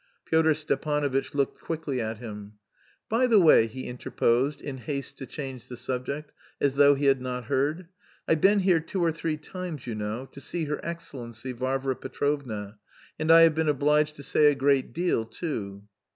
Pyotr Stepanovitch looked quickly at him. "By the way," he interposed, in haste to change the subject, as though he had not heard. "I've been here two or three times, you know, to see her excellency, Varvara Petrovna, and I have been obliged to say a great deal too."